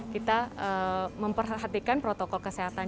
kita memperhatikan protokol kesehatan